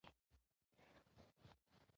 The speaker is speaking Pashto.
بادرنګ په سلاد کې مهم حیثیت لري.